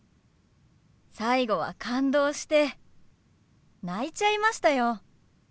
最後は感動して泣いちゃいましたよ。